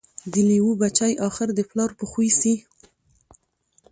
د لېوه بچی آخر د پلار په خوی سي